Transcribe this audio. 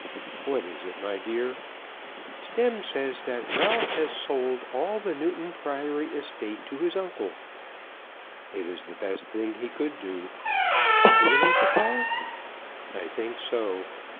"What is it, my dear?" "Stemm says that Ralph has sold all the Newton Priory estate to his uncle." "It is the best thing he could do." "Really, papa?" "I think so.